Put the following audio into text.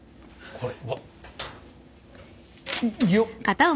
これ。